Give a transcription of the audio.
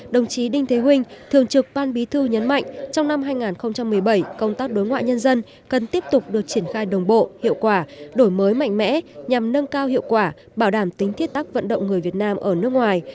đồng chí đinh thế huynh thường trực ban bí thư nhấn mạnh trong năm hai nghìn một mươi bảy công tác đối ngoại nhân dân cần tiếp tục được triển khai đồng bộ hiệu quả đổi mới mạnh mẽ nhằm nâng cao hiệu quả bảo đảm tính thiết tắc vận động người việt nam ở nước ngoài